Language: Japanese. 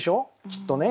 きっとね。